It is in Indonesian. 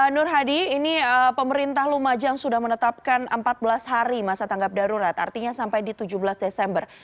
nur hadi ini pemerintah lumajang sudah menetapkan empat belas hari masa tanggap darurat artinya sampai di tujuh belas desember